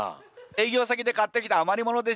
営業先で買ってきた余り物でしょうね。